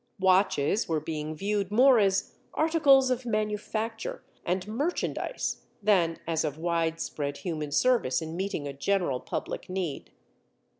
Watches were being viewed more as articles of manufacture and merchandise than as of wide spread human service in meeting a general public need.